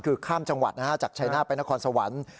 คือข้ามจังหวัดจากชายหน้าไปนครสวรรค์